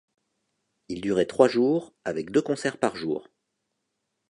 Il durait trois jours, avec deux concerts par jour.